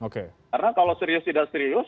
karena kalau serius atau tidak serius